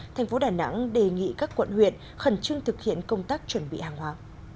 tp đà nẵng đề nghị các quận huyện khẩn trương thực hiện công tác chuẩn bị hàng hóa